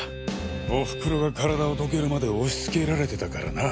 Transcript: オフクロが体をどけるまで押し付けられてたからな。